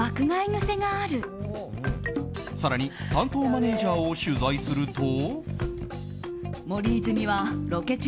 更に担当マネジャーを取材すると。